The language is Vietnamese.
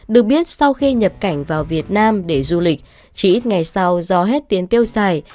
được biết sau khi nhập cảnh vào việt nam để du lịch chỉ ít ngày sau do hết tiền tiêu xài